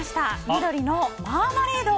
緑のマーマレード。